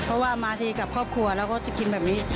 เพราะว่ามาทีกับครอบครัวแล้วก็จะกินแบบนี้